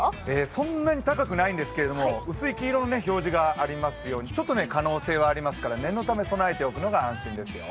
そんなに高くはないんですけど、薄い黄色の表示がありますようにちょっと可能性はありますから念のため備えておくのが安心ですよ。